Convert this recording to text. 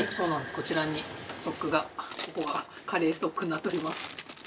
こちらにストックがここがカレーストックになっております。